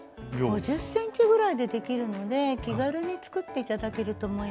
５０ｃｍぐらいでできるので気軽に作って頂けると思います。